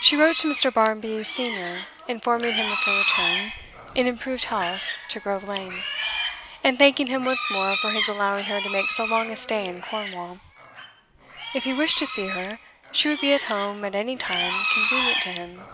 She wrote to Mr. Barmby, senior, informing him of her return, in improved health, to Grove Lane, and thanking him once more for his allowing her to make so long a stay in Cornwall. If he wished to see her, she would be at home at any time convenient to him.